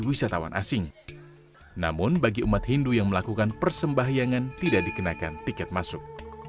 wisatawan asing namun bagi umat hindu yang melakukan persembahyangan tidak dikenakan tiket masuk